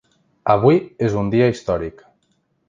Avui és un dia històric.